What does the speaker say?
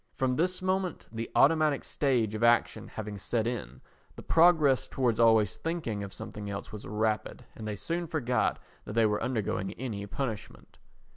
From this moment, the automatic stage of action having set in, the progress towards always thinking of something else was rapid and they soon forgot that they were undergoing any punishment.